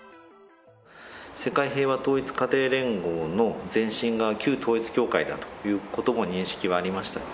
世界平和統一家庭連合の前身が、旧統一教会だということの認識はありました。